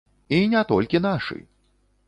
І не толькі нашы.